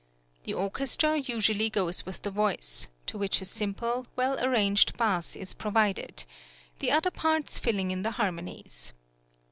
The orchestra usually goes with the voice, to which a simple, well arranged bass is provided, the other parts filling in the harmonies.